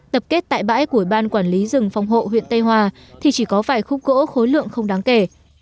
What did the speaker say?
tập kết tại bãi của ban quản lý rừng phòng hộ huyện tây hòa thì chỉ có vài khúc gỗ khối lượng không đáng kể